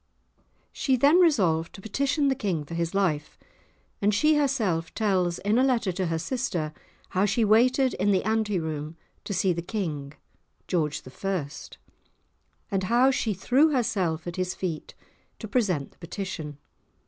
She then resolved to petition the King for his life, and she herself tells in a letter to her sister how she waited in the ante room to see the King (George I.), and how she threw herself at his feet to present the petition.